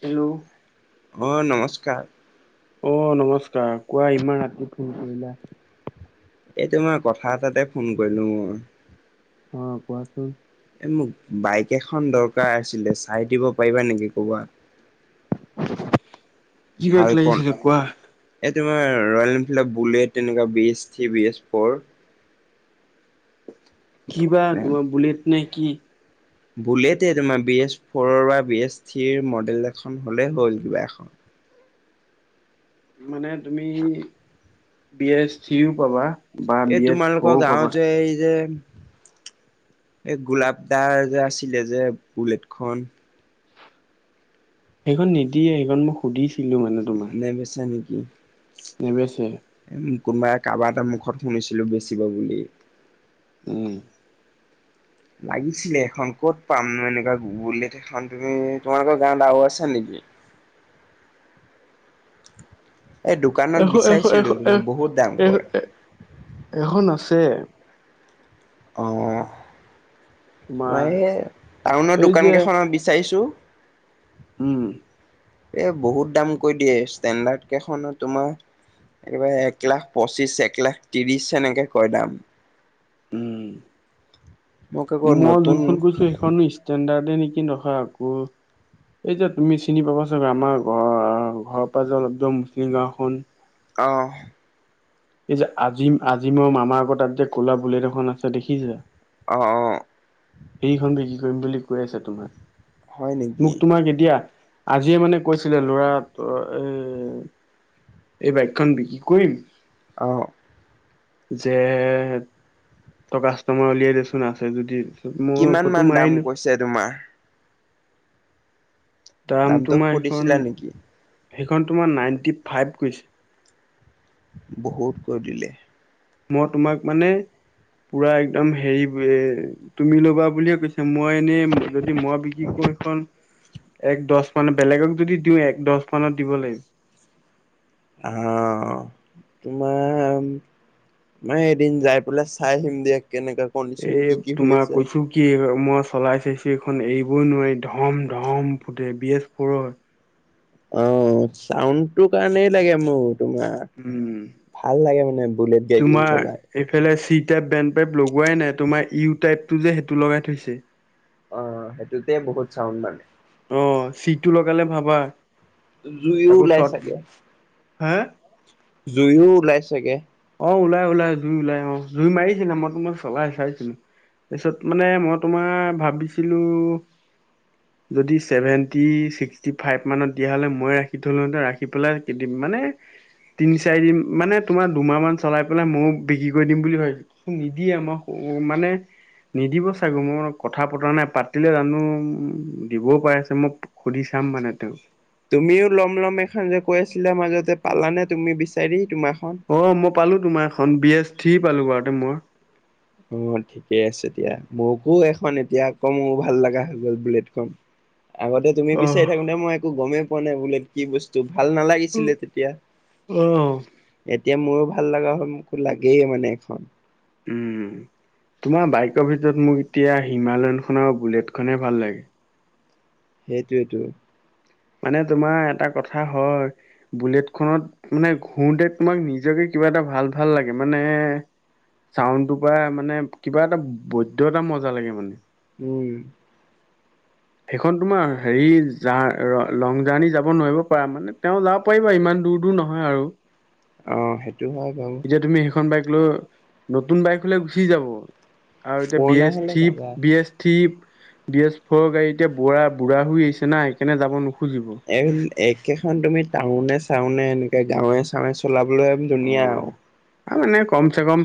Hello. অঁ নমস্কাৰ। অ নমস্কা, ৰ কোৱা ইমান ৰাতি ফোন কৰিলা? এইটো মই কথা এটাতে ফোন কৰিলো মই। অ কোৱাচোন এ মোক বাইক এখন দৰকাৰ আছিলে চাই দিব পাৰিবা নেকি ক'বাত কিবা ভালকন লাগিছিলে কোৱা এই তোমাৰ ৰয়েল এনফিল্ডৰ বুলেট এনেকুৱা B S three B S four. কিবা তোমাৰ বুলেট নে কি? বুলেট তোমাৰ বি এছ ফ'ৰৰ বা বি এছ থ্ৰীৰ মডেল এখন হ'লেই হ'ল কিবা এখন। মানে তুমি বি এছ থ্ৰিও পাবা বা এই বি এছ তোমালোকৰ ফ'ৰও পাবা গাঁৱত যে এই যে এই গোলাপ দাৰ যে আছিলে যে বুলেটখন। সেইখন নিদিয়ে সেইখন মই সুধিছিলো মানে তোমাৰ। নেবেচা নিকি? [inaudible] নেবেছে। উম কোনোবাই কাৰোবাৰ এটা মুখত শুনিছিলো বেচিব বুলি? উম। লাগিছিলে এখন, ক'ত পাম নে এনেকুৱা বুলেট? খন তুমি তোমালোকৰ গাঁৱত আৰু আছে নেকি? এই দোকানত এশ এশ এশ বিচাৰিছিলো, তোমাৰ বহুত দাম এ কৰে। এ এখন আছে। অঁ। তোমাৰ এ, টাউনৰ এই যে দোকানকেইখনত বিচাৰিছো। উম। এ বহুত দাম কৈ দিয়ে ষ্টেণ্ডাৰ্ড কেইখনত তোমাৰ একেবাৰে এক লাখ পঁচিশ একলাখ ত্ৰিশ সেনেকে কয় দাম। উম, মোক আকৌ মই নতুন যোনখন কৈছো সেইখন ইচ ষ্টেণ্ডাৰ্ডে নেকি? নহয় আকৌ এই যে তুমি চিনি পাবা চাগে, আমাৰ ঘৰৰ ঘৰৰ পৰা যে অলপ য মুছলিম গাঁওখন। অঁ। এই যে আজিম আজিমৰ মামাৰ আগত তাত যে ক'লা বুলেট এখন আছে দেখিচে? অ অ। সেইখন বিক্ৰী কৰিম বুলি কৈ আছে তোমাৰ, হয় নেকি মোক তোমাৰ কেতিয়া আজিয়ে মানে কৈছিলে, লৰা এ এই বাইকখন বিক্ৰী কৰিম অঁ। যে ত কাষ্টমাৰ উলিয়াই দেচোন আছে যদি, মই ফটো মাৰিলো। ছে তোমাৰ দাম দামটো তোমাৰ সেইখন, সুধিছিলা নেকি সেইখন তোমাৰ নাইনটি ফাইভ কৈছ বহুত কৰি দিলে। মই তোমাক মানে, পুৰা একদম হেৰি এ তুমি লবা বুলিয়ে কৈছ হে মই এনেই যদি মই বিক্ৰী কৰো এখন এক দছ মানত বেলেগক যদি দিওঁ এক দছ মানত দিব লাগিব। আহ তোমাৰ উম, মই এদিন যাই পেলাই চাই আহিম দিয়া কেনেকা এই কণ্ডিশন কি কি হৈ তোমাৰ আছে? কৈছো কি মই চলাই চাইছোঁ এইখন এৰিবই নোৱাৰি ধম ধম ফুতে বি এছ ফৌৰৰ। অ চাউণ্ডটো কাৰণেই লাগে মোৰ তোমাৰ। উম ভাল লাগে মানে বুলেট গাড়ীখন তোমাৰ চলাই। এইফালে চি টাইপ, বেণ্ড টাইপ লগোৱাই নাই, তোমাৰ ইউ টাইপটো যে সেইটো লগাই থৈছে। অ, সেইটোতে বহুত চাউড মানে। অ, সিটো লগালে ভাবা জুইও তাকো ওলাই চৰ্ট চাগে। হা? জুইও ওলাই চগে। অ ওলাই ওলাই জুই ওলাই অ জুই মাৰিছিলে মই তোমাক মই চলাই চাইছিলো। তাৰপিছত মানে মই তোমাৰ ভাবিছিলো উ [inaudible] [unintelligible] যদি চেভেটি্ চিষ্টি ফাইভ মানত দিয়া হলে মই ৰাখি থলো হেঁতেন, ৰাখি পেলাই কেইদিন মানে তিনি চাৰিদিন মানে তোমাৰ দুমাহ মান চলাই পেলাই ময়ো বিক্ৰী কৰি দিম বুলি ভাবছিলো, নিদিয়ে মই মানে নিদিব চাগো মই কথা পতা নাই পাতিলে জানো দিবও পাই আছে মই সুধি চাম মানে তেওঁক তুমিও ল'ম-ল'ম এখন যে কৈ আছিলা মাজতে, পালানে তুমি বিচাৰি তোমাৰখন? অ, মই পালোঁ তোমাৰ এখন, বি এছ থ্ৰী পালোঁ এবাৰতে মই। অ, ঠিকেই আছে এতিয়া, মোকো এখন এতিয়া আকৌ মোৰ, ভাল লগা হৈ গ'ল বুলেটখন। আগতে তুমি বিচাৰি অহ থাকোতে, মই একো গমেই পোৱা নাই বুলেট কি বস্তু, ভাল নালাগে নালাগিছিলে তেতিয়া, অহ এতিয়া মোৰো ভাল লগা হ'ল, মোকো লাগেই মানে এখন। উম, তোমাৰ বাইকৰ ভিতৰত মোক এতিয়া হিমালয়ন খন, আৰু বুলেট খনেহে ভাল লাগে। সেইটোৱেতো মানে তোমাৰ, এটা কথা হয় বুলেট খনত, মানে ঘূৰোতে তোমাক নিজকে কিবা এটা ভাল-ভাল লাগে। মানে ছাউণ্ডটোৰ পৰা, মানে কিবা এটা বৈধ্য এটা মজা লাগে মানে। উম' সেইখন তোমাৰ হেৰি, জা, লং জাৰ্ণি যাব নোৱাৰিব পাৰা। মানে তেওঁ যা পাৰিবা, ইমান দূৰ-দূৰ নহয় আৰু। অ, সেইটো হয় বাৰু। এতিয়া তুমি সেইখন বাইক লৈ, নতুন বাইক হ'লে গুচি যাব আৰু এতিয়া বি পুৰণা এছ হলে থ্ৰী, মজা B S three B S four গাড়ীতে, বুঢ়া-বুঢ়া হই আহিছে না, এইকাৰনে যাব নোখুজিব। এই, একেখন তুমি টাউনে-চাওনে, এনেকে গাঁওৱে-চাওঁৱে চলাবলৈ ধুনীয়া অ', আৰু। মানে কমচে কম,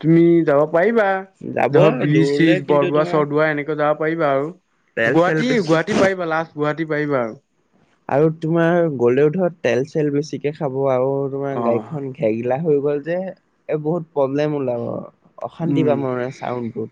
তুমি যাব পাৰিবা যাব ধৰ বিজ দূৰলে চীজ, কিন্তু তোমাৰ বৰদোৱা-চৰদোৱা এনেকে যাব পাৰিবা আৰু তেল চেল বেছি গুৱাহাটী-গুৱাহাটী পাৰিবা, লাষ্ট গুৱাহাটী পাৰিবা আৰু আৰু তোমাৰ গ'লেও, ধৰ তেল-চেল বেছিকে খাব আৰু, তোমাৰ অ'। গাড়ীখন ঘেগিলা হৈ গ'ল যে। এ বহুত প্ৰব্লেম ওলাব। অশান্তি উম, পাম মানে চাউণ্ডতো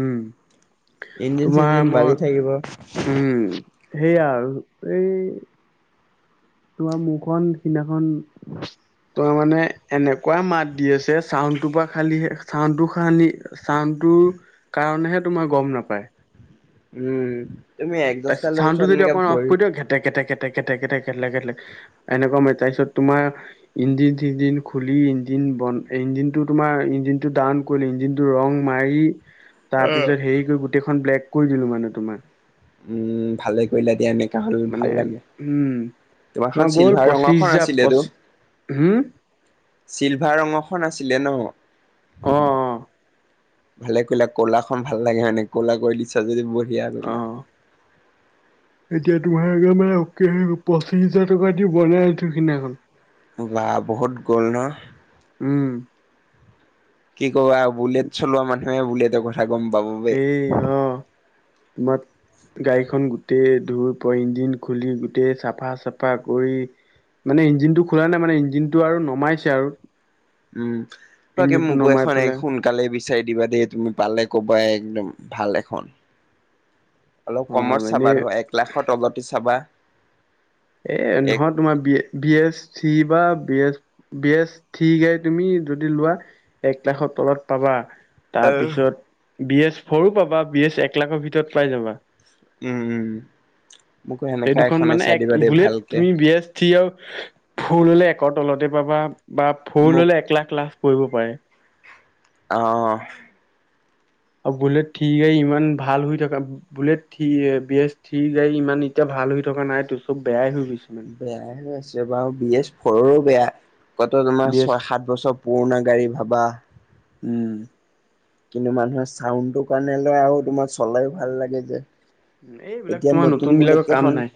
উম, তোমাৰ চিঞ্জিন মই বাজি থাকিব উম, সেইয়া আৰু এই তোমাৰ, মোৰখন কিনাখন তই মানে, এনেকুৱা মাত দি আছে, চাউনটোৰ পৰা খালি, চাউনটো খালি চাউনটোৰ, কাৰণেহে তোমাৰ গম নাপায়। উম, তুমি এক দছটালৈ ওচৰত এনেকে পঢ়ি কেটেক-কেটেক-কেটেক-কেটেক কেলে এনেকুৱা মাত, তাৰপিছত তোমাৰ ইঞ্জিন-চিঞ্জিন খুলি, ইঞ্জিন বন, ইঞ্জিনটো তোমাৰ ইঞ্জিনটো ডাউন অকল ইঞ্জিন টো ৰং মাৰি, তাৰ অ পিছত হেৰি কৰি গোটেইখন ব্লেক কৰি দিলো মানে তোমাৰ। উম, ভালে কৰিলা দিয়া এনেকে তাৰ হলোঁ ভাল মানে লাগে। উম তোমাৰখন তোমাৰ গ'ল চিলভাৰ পঁচিশ ৰঙৰখন হাজাৰ আছিল তো পঁচি হম চিলভাৰ ৰঙখন আছিলে ন? অ অ। ভালে কৰিলা ক'লাখন ভাল লাগে হয়নে, ক'লা কৰি দিছা যদি বঢ়িয়া অ কৰিলা এতিয়া তোমাৰে মানে পঁচিশ হাজাৰ টকা দি বনাই আছোঁ সিদিনাখন। বা বহুত গ'ল ন। উম। কি ক'বা, বুলেট চলোৱা মানুহে, বুলেটৰ কথা গম পাব। দেই এ আহ, তোমাৰ গাড়ীখন গোটেই ধুই, পুৰা ইঞ্জিন খুলি, গোটেই চাফা-চাফা কৰি। মানে ইঞ্জিনটো খোলা নাই মানে, ইঞ্জিনটো আৰু নমাইছে আৰু। উম, তই কি ইঞ্জিনটো মোকো নমাই এখন এক পেলাই খোন সোনকালে বিচাৰি দিবা দেই, তুমি পালে কবায়ে একদম ভাল এখন। অলপ অ কমত চাবা, এনেই ধৰ এক লাখৰ তলতে চাবা। এ এক নহত তোমাৰ বি-বি এছ থ্ৰি বা বি-বি এছ থ্ৰি গাড়ী, তুমি যদি লোৱা এক লাখৰ তলত পাবা। তাৰ আহ, পিছত বি এছ ফৰো পাবা বি এছ এক লাখৰ ভিতৰত পাই যাবা উম উম মোকো সেই সেনেকা দুখন এখনে মানে চাই এক দিবা দেই বুলেট ভালকে তুমি বিএষ্ট থ্ৰি হওঁক ফৰ ল'লে একৰ তলতে পাবা বা ফৰ মোক ল'লে এক লাখ লাখ পৰিবও পাৰে। অ। আৰু বুলেট ঠি গাড়ী ইমান ভাল হৈ থকা বুলেট থি বিএছ থি গাড়ী ইমান এতিয়া ভাল হৈ থকা নাই তোৰ চব বেয়াই হৈ গৈছে। মানে বেয়াই হয় আছে বাৰু বি এছ ফৰৰো বেয়া ক'ত তোমাৰ বি এছ ছয় সাত বছৰ পুুৰণা গাড়ী ভাবা। উম। কিন্তু মানুহে চাউটোৰ কাৰণে লয় আৰু তোমাৰ চলাইয়ো ভাল লাগে যে। এইবিলাক এতিয়া তোমাৰ নতুন বিলাকৰ বুলেট কাম কেইখন? নাই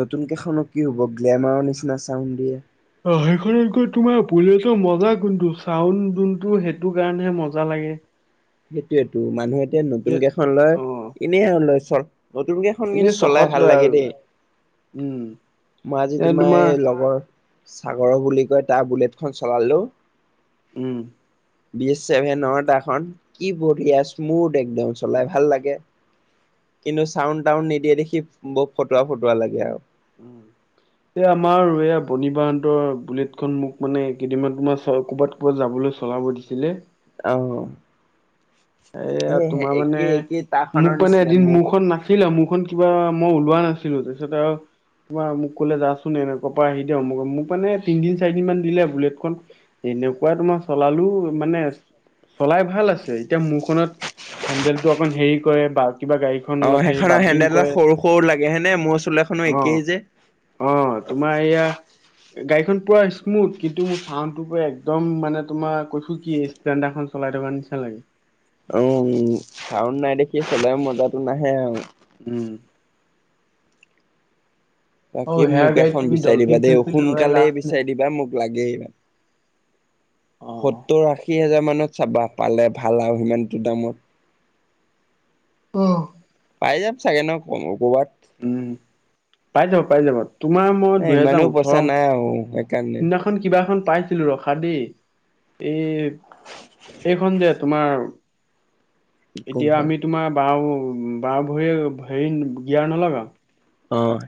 নতুন কেইখনো কি হ'ব গ্লেমাৰৰ নিচিনা চাউণ্ দিয়ে। অ সেইখনত গৈ তোমাৰ বুলেতো মজা কোনটো চাউড যোনটো সেইটো কাৰণেহে মজা লাগে। সেইটোয়েতটো মানুহ এতিয়া নতুন যে কেইখন লয় অ এনেই আৰু লয় চ নতুনকেই খন কিন্তু এনেই চলাই চখত ভাল লয় লাগে আৰু দেই উম মই আজি তোমাৰ এই লগৰ চাগৰ বুলি কয় তাৰ বুলেট খন চলালো। উম। বি এছ ছেভেন অডাখন কি বঢ়িয়া স্মুথ একদম চলাই ভাল লাগে। কিন্তু চাউড টাউড নিদিয়ে দেখি ব ফটোৱা ফটোৱা লাগে আৰু। এই আমাৰ এইয়া বনি বাহতৰ বুলেটখন মোক মানে কেইদিনমান তোমাৰ চ ক'বাত যাবলৈ চলাব দিছিলে আৰু এয়া তোমাৰ মানে একেই একেই তাখনৰ মোক মানে নিচিনা এদিন মোৰ মোৰখন না না আছিলে মোৰখন কিবা মই ওলোৱা নাছিলোঁ তাৰপিছত আৰু তোমাৰ মোক ক'লে যাচোন এনেকুৱা পৰা আহি দিয়া আমোক আমোক মানে তিনদিন চাৰিদিন মান দিলে বুলেটখন। এনেকুৱাই তোমাৰ চলালো মানে চলাই ভাল আছে। এতিয়া মোৰখনত হেন্দেল টো অকণ হেৰি কৰে বা কিবা গাড়ী অ সেইখনৰ হেন্দডেল ডাল সৰু সৰু লাগে হয়নে মোৰ চুলে খনো অ একেই যে অ তোমাৰ এয়া গাড়ীখন পুৰা স্মুথ কিন্তু মোৰ চাউনটো পুৰা একদম মানে তোমাৰ কৈছোঁ কি- ইচটেণ্ডা খন চলাই থকা নিচনা লাগে। উম চাউন নাই দেখি চলায় মজাটো নাহে আৰু উম। অ তাকে হেয়াৰ মোক গাড়ীত এখন তুমি বিচাৰি দিবা ডলফিন দেই চলফিন লগাই সোনকালে লাভ নাই। বিচাৰি দিবা মোক। লাগেই অ সত্তৰ আশী হাজাৰ মানত চাবা পালে ভাল আৰু সিমানটো দামত অ পাই যাম চাগে ন ক কৰবাত উম পাই যাব পাই যাব তোমাৰ মই এ ইমানো দুহেজাৰ পইচা নাই আৰু সেইকাৰণে ওঠৰ খন কিবা এখন পাইছিলোঁ ৰখা দেই এই এইখন যে তোমাৰ এতিয়া কোনখন আমি তোমাৰ বাওঁ বাওঁ ভৰিয়ে হেৰি গিয়াৰ নলগাওঁ। অহ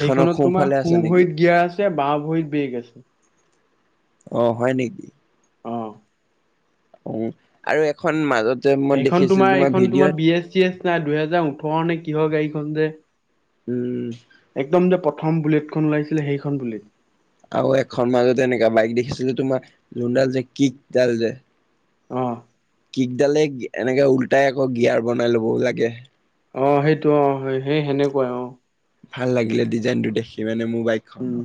সেইখনত তোমাৰ সোঁ ভৰিত গিয়াৰ আছে বাওঁ ভৰিত বেগ আছে অ হয় নেকি অ আৰু এখন মাজতে যে মই দেখিছিলো তোমাৰ ভিডিঅ'ত। টি আছনাই দুহেজাৰ ওঠৰ নে কিহৰ গাড়ীখন যে। উম একদম যে প্ৰথম বুলেটখন ওলাইছিলে সেইখন বুলেট আৰু এখন মাজতে এনেকা বাইক দেখিছিলো তোমাৰ যোনডাল যে কিকডাল যে অ কিকডালেই এনেকে উলটাই আকৌ গিয়াৰ বনাই ল'বও লাগে অ সেইটো অ স সেই সেনেকোৱাই অ ভাল লাগিলে ডিজাইনটো দেখি মানে মোৰ বাইক উম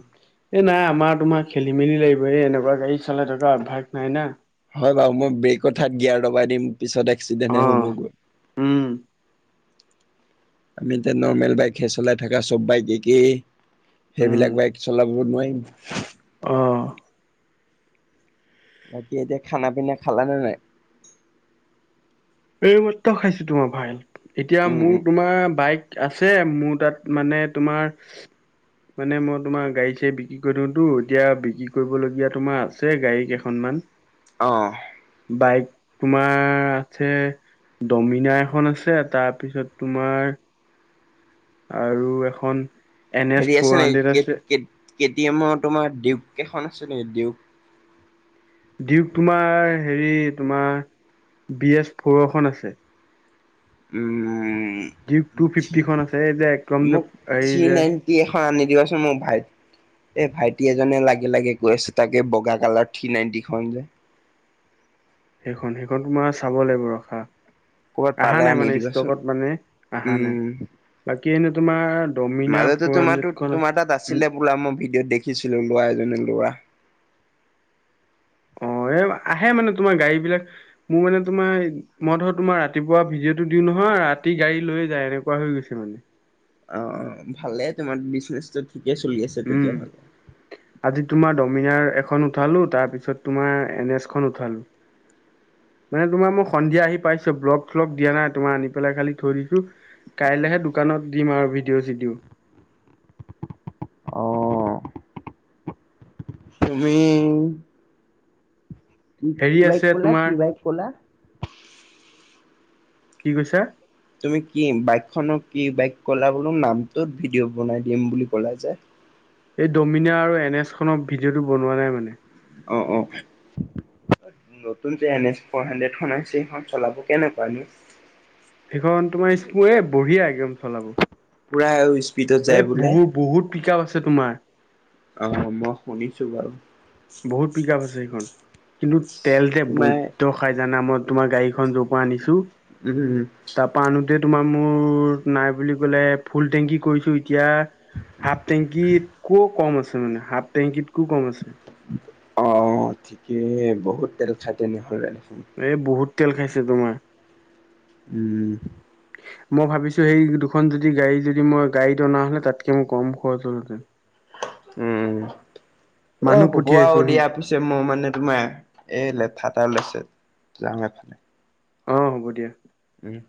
এ নাই আমাৰ তোমাৰ খেলি মেলি লাগিব এই এনেকুৱা গাড়ী চলাই তহঁত অভ্যাস নাই না হয় বাৰু মই ব্ৰেকৰ ঠাইত গিয়াৰ দবাই দিম পিছতহে অ এক্সিডেণ্ট হে হ'বগৈ উম আমি এতিয়া নৰ্মেল বাইকহে চলাই থকা চব বাইক একেই উম সেইবিলাক বাইক চলাব নোৱাৰিম অ বাকী এতিয়া খানা পিনা খালা নে নাই এই মাত্ৰ খাইছো তোমাৰ ভাইল এতিয়া উম মোৰ উম তোমাৰ বাইক আছে ছে মোৰ তাত মানে তোমাৰ [unintelligible] মানে মই তোমাৰ গাড়ী চাড়ী বিক্ৰী কৰি দিওতো এতিয়া বিক্ৰী কৰিবলগীয়া তোমাৰ আছে গাড়ী কেইখনমান অ বাইক তোমাৰ আছে দমিনাৰ এখন আছে তাৰপিছত তোমাৰ আৰু এখন এন এছ ফ'ৰ হাণ্ড্ৰেড আছে কেতি এমৰ তোমাৰ দিউক কেইখন আছে নেকি দিউক দিউক তোমাৰ হেৰি তোমাৰ বি এছ ফ'ৰ এখন আছে উম দিউক টু থ্ৰী ফিফটি খন আছে এই যে একদম যে এই যে কি এখন আনি দিবাচোন মোৰ ভাইত এই ভাইটি এজনে লাগে লাগে কৈ আছে তাকে বগা কালাৰ থ্ৰী নাইণ্টিখন যে সেইখন সেইখন তোমাৰ চাব লাগিব ৰখা ক'ৰবাত অহা পালে নাই আনি মানে দিবাচোন ষ্টকত মানে অহা নাই উম বাকী এনে তোমাৰ দমিনা মাজতে ফৰ তোমাৰো হাড্ৰেডখন তোমাৰ আছে তাত আছিলে উম বোলা মই ভিডিঅ'ত দেখিছিলো লোৱা এজনে লোৱা অ এই আহে মানে তোমাৰ গাড়ী বিলাক মোৰ মানে তোমাৰ মই ধৰ তোমাৰ ৰাতিপুৱা ভিডিঅ'টো দিও নহয় ৰাতি গাড়ী লৈয়ে যায় এনেকোৱা হৈ গৈছে মানে অ অ ভালে তোমাৰ বিজনেছটো ঠিকে চলি আছে উম তেতিয়াহ'লে আজি তোমাৰ দমিনাৰ এখন উঠালো তাৰ পিছত তোমাৰ এন এছখন উঠালো মানে তোমাৰ মোক সন্ধিয়া আহি পাইছো ব্লগ চলগ দিয়া নাই তোমাৰ আনি পেলাই খালি থৈ দিছো কাইলৈহে দোকানত দিম আৰু ভিডিঅ' চিডিঅ' অ তুমি কি কি হেৰি বাইক আছে ক'লা তোমাৰ কি বাইক ক'লা কি কৈছা তুমি কি বাইক খনক কি বাইক কলা বোলো নামটো ভিডিঅ' বনাই দিম বুলি কলা যে এই ডমিনা আৰু এন এছ খনৰ ভিডিঅ'টো বনোৱা নাই মানে অ অ নতুন যে এন এছ ফৰ হাড্ৰেডখন আছে সেইখন চলাব কেনেকোৱানো সেইখন তোমাৰ স্মুৱে বঢ়িয়া একদম চলাব পুৰা আৰু স্পীডত এ যায় বোলে বহুত বহুত পিক আপ আছে তোমাৰ অ মই শুনিছো বাৰু বহুত পিক আপ আছে সেইখন কিন্তু তেল যে তোমাৰ বৈদ্য খাই জানা মই তোমাৰ গাড়ীখন যৰ পৰা আনিছো উম উম উম তাৰপৰা আনোতে তোমাৰ মোৰ নাই বুলি ক'লে ফুল টেংকি কৰিছোঁ এতিয়া হাফ টেংকিতকো কম আছে মানে হাফ টেংকিতকো কম আছে অ ঠিকেই বহুত তেল খাই তেনেহ'ল দেখোন এই বহুত তেল খাইছে তোমাৰ উম মই ভাবিছো সেই দুখন যদি গাড়ী যদি মই গাড়ীত অনা হ'লে তাতকে মোৰ কম খৰচ হল হেতেন উম অ মানুহ হ'ব পঠিয়াইছো আৰু দিয়া পিছে মই মানে তোমাৰ এ লেঠা এটা ওলাইছে যাং এফালে অ হ'ব দিয়া উম